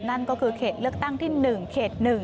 นั่นก็คือเขตเลือกตั้งที่๑เขต๑